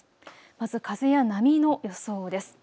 まず風や波の予想です。